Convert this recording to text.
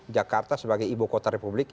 jakarta sebagai ibu kota republik